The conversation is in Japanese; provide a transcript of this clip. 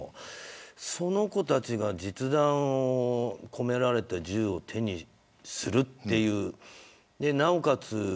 その子たちが実弾を込められた銃を手にするというなおかつ